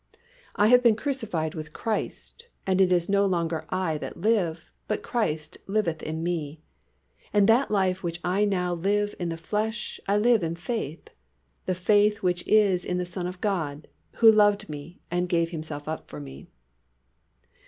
"I have been crucified with Christ; and it is no longer I that live, but Christ liveth in me: and that life which I now live in the flesh I live in faith, the faith which is in the Son of God, who loved me and gave Himself up for me."